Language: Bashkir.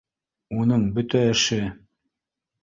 Уның бөтә эше —